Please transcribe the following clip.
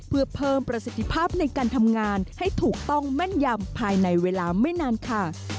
เพื่อเพิ่มประสิทธิภาพในการทำงานให้ถูกต้องแม่นยำภายในเวลาไม่นานค่ะ